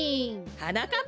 はなかっ